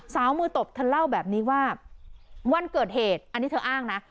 สาวมือตบเธอเล่าแบบนี้ว่าวันเกิดเหตุอันนี้เธออ้างนะ